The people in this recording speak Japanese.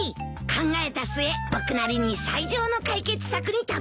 考えた末僕なりに最上の解決策にたどりつきました。